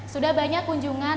sudah banyak kunjungan